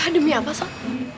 demi apa salma